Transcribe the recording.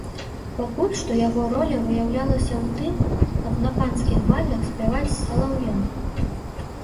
Пакуль што яго роля выяўлялася ў тым, каб на панскіх балях спяваць салаўём.